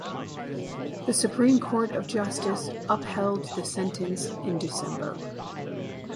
The Supreme Court of Justice upheld the sentence in December.